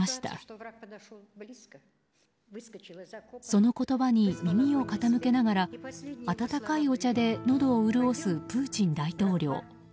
その言葉に耳を傾けながら温かいお茶でのどを潤すプーチン大統領。